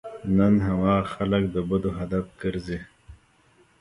نن هماغه خلک د بدو هدف ګرځي.